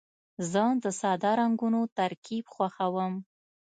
زه د ساده رنګونو ترکیب خوښوم.